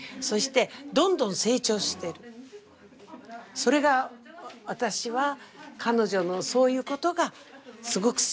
それが私は彼女のそういうことがすごく好き。